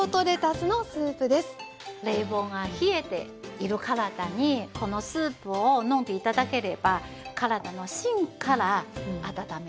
冷房が冷えている体にこのスープを飲んで頂ければ体の芯から温めてくれるんですよね。